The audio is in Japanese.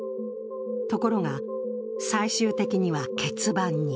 ところが、最終的には欠番に。